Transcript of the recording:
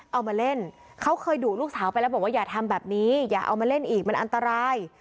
เอามาเล่นเขาเคยดุลูกสาวไปแล้วบอกว่าอย่าทำแบบนี้อย่าเอามาเล่นอีกมันอันตราย